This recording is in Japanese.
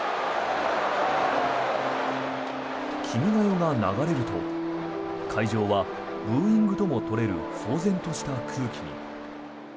「君が代」が流れると会場はブーイングとも取れる騒然とした空気に。